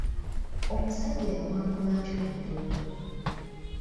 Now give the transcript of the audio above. Omusajjja yawangula atya omulenzi ono?